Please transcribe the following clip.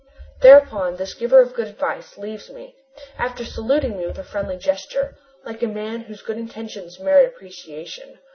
Thereupon this giver of good advice leaves me, after saluting me with a friendly gesture, like a man whose good intentions merit appreciation.